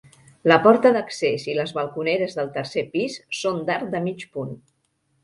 La porta d'accés i les balconeres del tercer pis són d'arc de mig punt.